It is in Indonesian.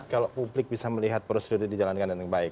kalau publik bisa melihat prosedur ini dijalankan dengan baik